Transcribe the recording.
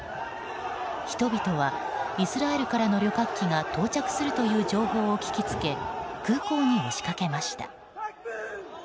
人々はイスラエルからの旅客機が到着するという情報を聞きつけ空港に押し掛けました。